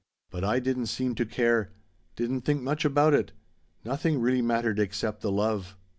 But I didn't seem to care didn't think much about it. Nothing really mattered except the love.